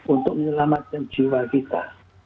untuk menyelamatkan jiwa kita